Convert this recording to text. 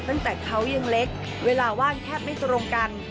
ตั้งแต่เขายังเล็กเวลาว่างแทบไม่ตรงกัน